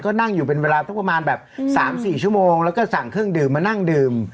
ก็นั่งอยู่เป็นเวลาสักประมาณแบบ๓๔ชั่วโมงแล้วก็สั่งเครื่องดื่มมานั่งดื่ม